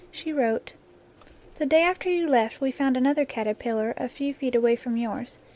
She wrote: The day after you left we found another caterpillar, a few feet away from yours.